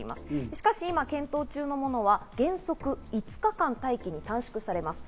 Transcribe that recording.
しかし今、検討中のものは原則５日間待機に短縮されます。